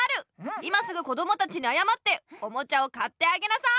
今すぐこどもたちにあやまっておもちゃを買ってあげなさい！